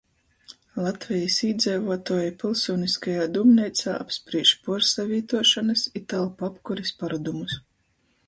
Latvejis īdzeivuotuoji pylsūniskajā dūmneicā apsprīž puorsavītuošonys i telpu apkuris parodumus.